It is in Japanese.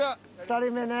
２人目ね。